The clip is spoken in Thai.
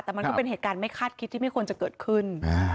แต่มันก็เป็นเหตุการณ์ไม่คาดคิดที่ไม่ควรจะเกิดขึ้น